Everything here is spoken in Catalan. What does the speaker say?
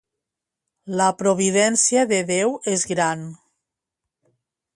La providència de Déu és gran.